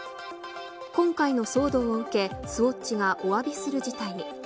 今回の騒動を受け、スウォッチがおわびする事態に。